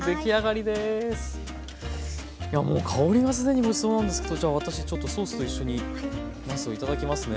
もう香りが既にごちそうなんですけどじゃあ私ソースと一緒になすを頂きますね。